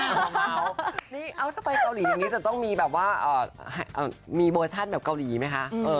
เอาถ้าไปเกาหลีอย่างนี้จะต้องมีแบบว่ามีเวอร์ชั่นแบบเกาหลีไหมคะ